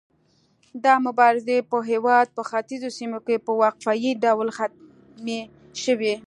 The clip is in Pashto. دا مبارزې په هیواد په ختیځو سیمو کې په وقفه يي ډول ختمې شوې.